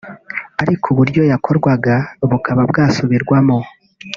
ariko uburyo yakorwaga bukaba bwasubirwamo